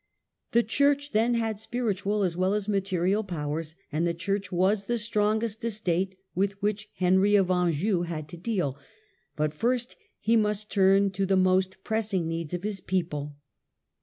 The church then had spiritual as well as material powers, and the church was the strongest estate with which Henry of Anjou had to deal; but first he must turn to the most pressing needs of his people.